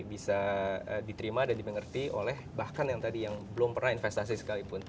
jadi kita bisa lihat bahwa proses yang kita lakukan itu akan dipelajari oleh bahkan yang tadi yang belum pernah investasi sekalipun